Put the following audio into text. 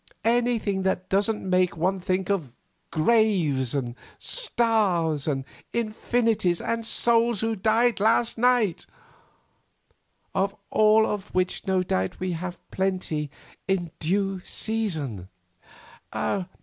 Anything that doesn't make one think of graves, and stars, and infinities, and souls who died last night; of all of which no doubt we shall have plenty in due season."